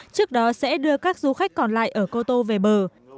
trước đó sẽ đưa các du khách còn lại ở cô tô về bờ